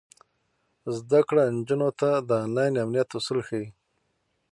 زده کړه نجونو ته د انلاین امنیت اصول ښيي.